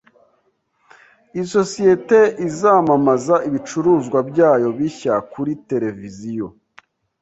Isosiyete izamamaza ibicuruzwa byayo bishya kuri tereviziyo.